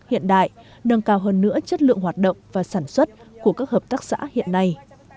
hiện đại nâng cao hơn nữa chất lượng hoạt động và sản xuất của các hợp tác xã hiện nay